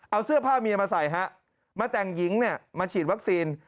เอาเสื้อผ้าเมียมาใส่ฮะมาแต่งหญิงเนี่ยมาฉีดวัคซีน